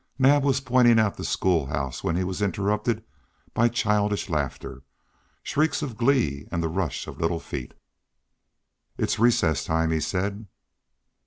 Naab was pointing out the school house when he was interrupted by childish laughter, shrieks of glee, and the rush of little feet. "It's recess time," he said.